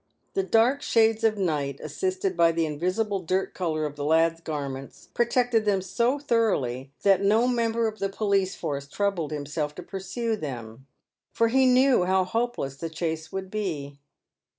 The dark shades of night, assisted by the invisible dirt colour of the lads' garments, protected them so thoroughly, that no member of the police force troubled himself to pursue them, for he knew how hopeless the chase would be.